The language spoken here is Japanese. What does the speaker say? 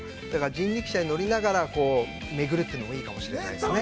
人力車に乗りながら、巡るというのもいいかもしれないですね。